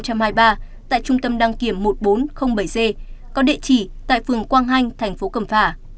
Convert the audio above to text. tại trung tâm đăng kiểm một nghìn bốn trăm linh bảy g có địa chỉ tại phường quang hanh thành phố cầm phả